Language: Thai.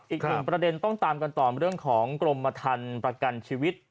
อีกหนึ่งประเด็นต้องตามกันต่อเรื่องของกรมทันประกันชีวิต